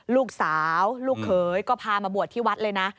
ลูกสาวลูกเขยก็พามาบวชที่วัดเลยนะ